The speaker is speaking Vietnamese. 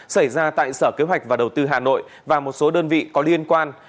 xảy ra tại sở kế hoạch và đầu tư hà nội và một số đơn vị có liên quan